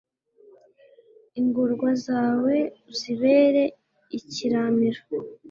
ingorwa zawe, uzibere ikiramiro